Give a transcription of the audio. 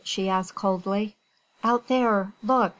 she asked coldly. "Out there! Look!